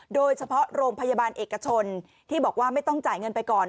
โดยเฉพาะโรงพยาบาลเอกชนที่บอกว่าไม่ต้องจ่ายเงินไปก่อน